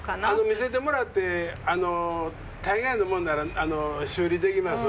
見せてもらって大概のもんなら修理できます。